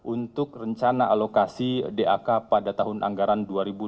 untuk rencana alokasi dak pada tahun anggaran dua ribu dua puluh